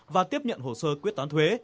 và tiếp nhận hồ sơ quyết toán thuế